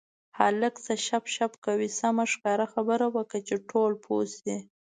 هلکه څه شپ شپ کوې سمه ښکاره خبره وکړه چې ټول پوه شي.